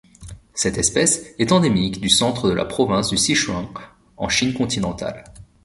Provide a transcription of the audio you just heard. Cette espèce est endémique du centre de la province du Sichuan en Chine continentale.